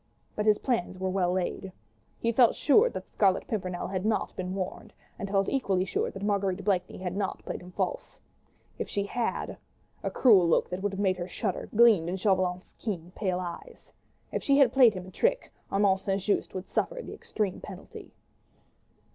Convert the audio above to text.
But his plans were well laid. He felt sure that the Scarlet Pimpernel had not been warned, and felt equally sure that Marguerite Blakeney had not played him false. If she had ... a cruel look, that would have made her shudder, gleamed in Chauvelin's keen, pale eyes. If she had played him a trick, Armand St. Just would suffer the extreme penalty.